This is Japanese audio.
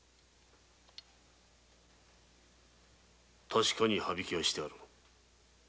確かに刃引きをしてある。